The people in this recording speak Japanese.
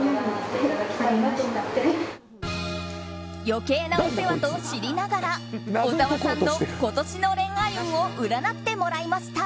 余計なお世話と知りながら小沢さんの今年の恋愛運を占ってもらいました。